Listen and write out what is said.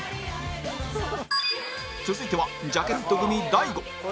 続いてはジャケット組大悟